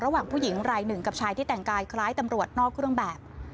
ระหว่างผู้หญิงรายหนึ่งกับชายที่แต่งกายคล้ายตำรวจนอกเครื่องแบบ